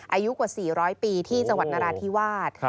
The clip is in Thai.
อายุกว่า๔๐๐ปีที่จังหวัดนาราชินาธิวาธิ์